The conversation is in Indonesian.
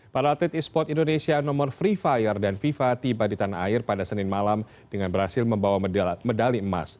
para atlet e sport indonesia nomor free fire dan fifa tiba di tanah air pada senin malam dengan berhasil membawa medali emas